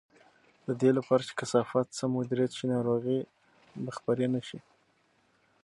د دې لپاره چې کثافات سم مدیریت شي، ناروغۍ به خپرې نه شي.